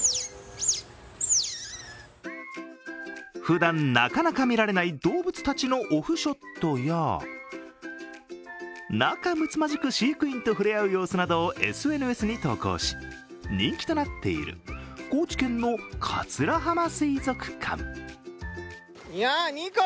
ふだんなかなか見られない動物たちのオフショットや仲むつまじく飼育員とふれあう様子などをＳＮＳに投稿し人気となっている高知県の桂浜水族館。